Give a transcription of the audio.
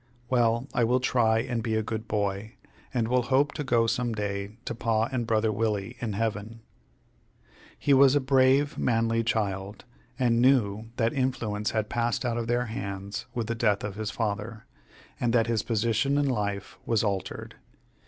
Well, I will try and be a good boy, and will hope to go some day to Pa and brother Willie, in heaven." He was a brave, manly child, and knew that influence had passed out of their hands with the death of his father, and that his position in life was altered.